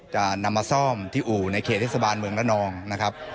จะนำมาซ่อมที่อู่ในเขตเทศบาลเมืองระนองนะครับ